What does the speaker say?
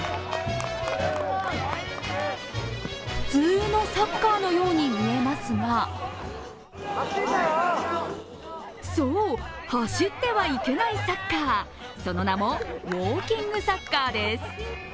普通のサッカーのように見えますがそう、走ってはいけないサッカーその名も、ウォーキングサッカーです。